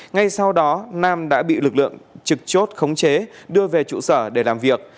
ngay sau đó nam đã bị lực lượng trực chốt khống chế đưa về trụ sở để làm việc